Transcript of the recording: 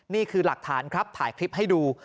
นี่คือหลักฐานครับถ่ายคลิปให้ดู